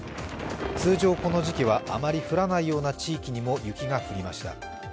通常この時期はあまり降らないような地域にも雪が降りました。